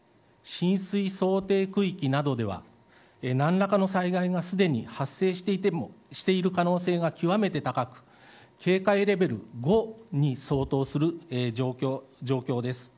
特に土砂災害警戒区域浸水想定区域などでは何らかの災害がすでに発生している可能性が極めて高く警戒レベル５に相当する状況です。